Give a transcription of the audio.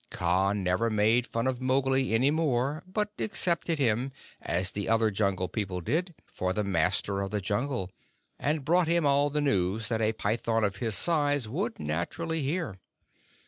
Kaa never made fun of Mowgli any more, but accepted him, as the other Jungle People did, for the Master of the Jungle, and brought him all the news that a python of his size would naturally hear.